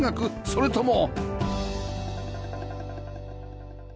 それとも